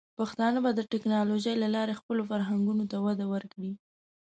پښتانه به د ټیکنالوجۍ له لارې خپلو فرهنګونو ته وده ورکړي.